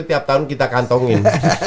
tiap tahun kita kantongin